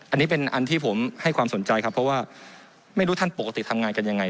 อันนี้เป็นอันที่ผมให้ความสนใจครับเพราะว่าไม่รู้ท่านปกติทำงานกันยังไง